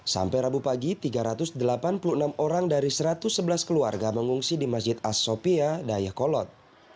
sampai rabu pagi tiga ratus delapan puluh enam orang dari satu ratus sebelas keluarga mengungsi di masjid as sopia dayakolot